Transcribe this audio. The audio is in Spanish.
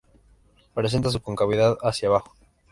Presenta su concavidad hacia abajo.